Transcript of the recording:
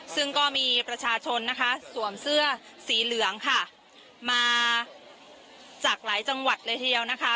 ซึ่งก็มีประชาชนนะคะสวมเสื้อสีเหลืองค่ะมาจากหลายจังหวัดเลยทีเดียวนะคะ